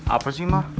apa sih ma